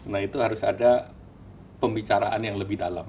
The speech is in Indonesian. nah itu harus ada pembicaraan yang lebih dalam